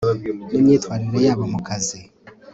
n imyitwarire yabo mu kazi